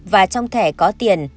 và trong thẻ có tiền